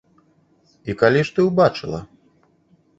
І калі ж ты ўбачыла?